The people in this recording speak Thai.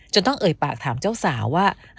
ต้องเอ่ยปากถามเจ้าสาวว่า